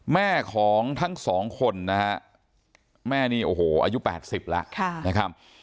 แม่ของทั้งสองคนนะฮะแม่นี่โอ้โหอายุ๘๐แล้วนะครับ